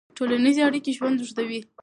ټولنیزې اړیکې ژوند اوږدوي.